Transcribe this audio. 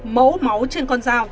mẫu máu trên con dao